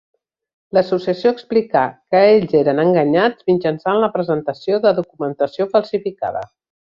L'associació explicà que ells eren enganyats mitjançant la presentació de documentació falsificada.